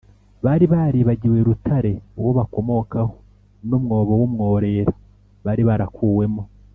. Bari baribagiwe Rutare uwo bakomokaho, n’umwobo w’umworera bari barakuwemo